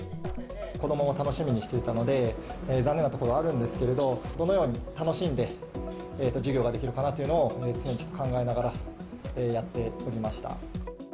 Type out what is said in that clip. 子どもも楽しみにしていたので、残念なところあるんですけれども、どのように楽しんで授業ができるかなというのを常に考えながら、やっておりました。